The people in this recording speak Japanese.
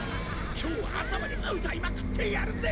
今日は朝まで歌いまくってやるぜ！